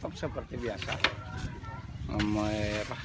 tetap seperti biasa